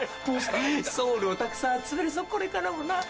ソウルをたくさん集めるぞこれからもな。